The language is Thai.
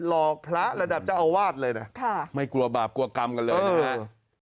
หลอกพระระดับเจ้าอาวาสเลยนะไม่กลัวบาปกลัวกรรมกันเลยนะครับ